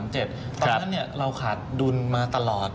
ตอนนั้นเราขาดดุลมาตลอด